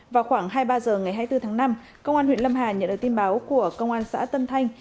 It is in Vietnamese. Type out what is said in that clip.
vào khoảng hai mươi ba h ngày hai mươi bốn tháng năm công an huyện lâm hà nhận được tin báo của công an xã tân thanh